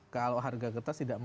kalau harga kertas tidak